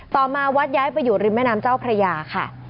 มาวัดย้ายไปอยู่ริมแม่น้ำเจ้าพระยาค่ะ